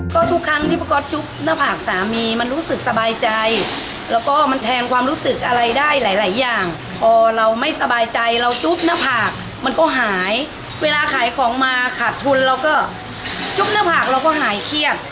ก็ทุกครั้งที่พี่ก๊อตจุ๊บหน้าผากสามีมันรู้สึกสบายใจแล้วก็มันแทนความรู้สึกอะไรได้หลายอย่างพอเราไม่สบายใจเราจุ๊บหน้าผากมันก็หายเวลาขายของมาขาดทุนเราก็จุ๊บหน้าผากเราก็หายเครียด